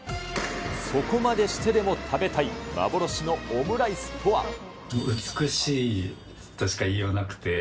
そこまでしてでも食べたい、美しいとしか言いようがなくて。